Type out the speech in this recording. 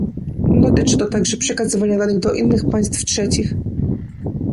Dotyczy to także przekazywania danych do innych państw trzecich